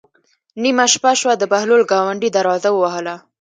نیمه شپه شوه د بهلول ګاونډي دروازه ووهله.